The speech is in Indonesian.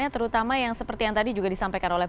terutama yang seperti yang tadi juga disampaikan oleh